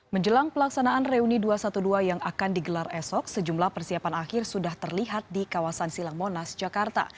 menjelang pelaksanaan reuni dua ratus dua belas yang akan digelar esok sejumlah persiapan akhir sudah terlihat di kawasan silang monas jakarta